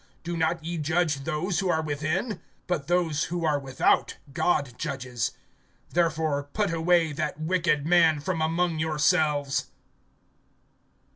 Do not ye judge those who are within? (13)But those who are without God judges. Therefore put away that wicked man from among yourselves.